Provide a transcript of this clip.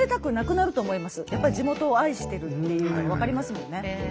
やっぱり地元を愛してるっていうの分かりますもんね。